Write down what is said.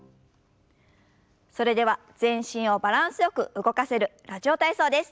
それでは全身をバランスよく動かせる「ラジオ体操」です。